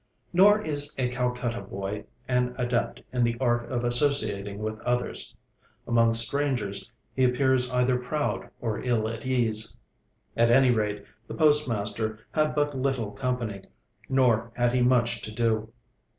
Nor is a Calcutta boy an adept in the art of associating with others. Among strangers he appears either proud or ill at ease. At any rate, the postmaster had but little company; nor had he much to do.